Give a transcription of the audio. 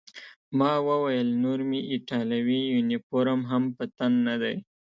ما وویل: نور مې ایټالوي یونیفورم هم په تن نه دی.